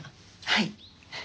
はい。